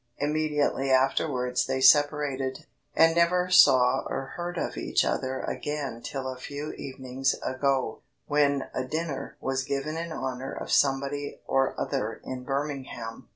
Immediately afterwards they separated, and never saw or heard of each other again till a few evenings ago, when a dinner was given in honour of somebody or other in Birmingham.